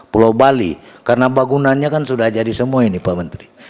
pulau bali karena bangunannya kan sudah jadi semua ini pak menteri